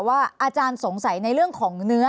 ภารกิจสรรค์ภารกิจสรรค์